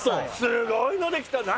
すごいので来た何？